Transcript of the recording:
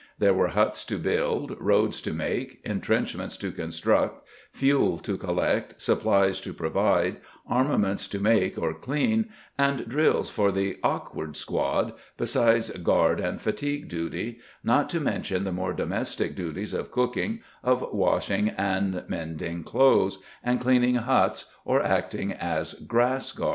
There were huts to build, roads to make, entrenchments to construct, fuel to collect, supplies to provide, armaments to make or clean, and drills for the "awkward squad", besides guard and fatigue duty; not to mention the more domestic duties of cooking, of washing and mending clothes, and cleaning huts, or acting as 'grass guard.'